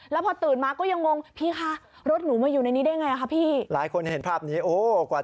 และพอตื่นมาก็ยังงงพี่คะ